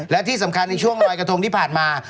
และที่สำคัญในช่วงลอยกระทงที่ผ่านมา